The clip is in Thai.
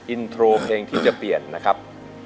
อินโทรเพลงที่จะเปลี่ยนนะครับ